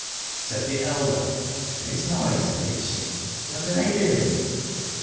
Said the elder :'Xhere is noise amidships, what are they doing ?''